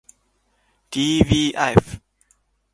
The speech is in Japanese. ｄｖｆ